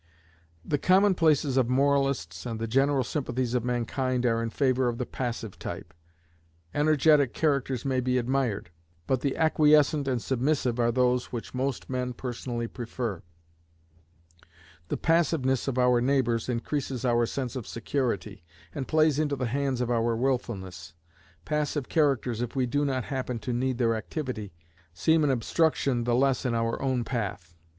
The commonplaces of moralists and the general sympathies of mankind are in favor of the passive type. Energetic characters may be admired, but the acquiescent and submissive are those which most men personally prefer. The passiveness of our neighbors increases our sense of security, and plays into the hands of our wilfulness. Passive characters, if we do not happen to need their activity, seem an obstruction the less in our own path.